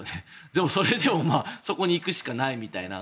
でもそれでもそこに行くしかないみたいな。